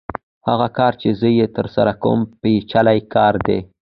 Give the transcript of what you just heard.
هغه کار چې زه یې ترسره کوم پېچلی کار دی